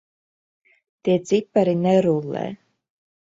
Tie cipari nerullē.